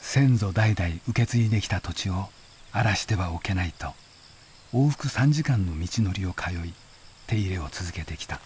先祖代々受け継いできた土地を荒らしてはおけないと往復３時間の道のりを通い手入れを続けてきた。